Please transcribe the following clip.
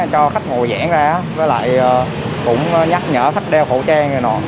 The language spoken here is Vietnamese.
cho khách ngồi giãn ra với lại cũng nhắc nhở khách đeo khẩu trang